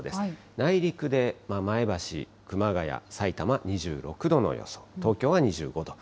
内陸で前橋、熊谷、さいたま、２６度の予想、東京は２５度。